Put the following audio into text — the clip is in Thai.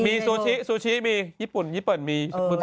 อ๋อหรอมีซูชิซูชิมีญี่ปุ่นมีภูมิก็มีปุ๊บปุ๊บปุ๊บ